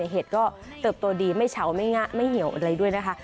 เห็ดก็เติบโตดีไม่เฉาไม่งะไม่เหี่ยวอะไรด้วยนะคะ